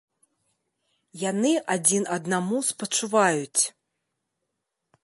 Яны адзін аднаму спачуваюць.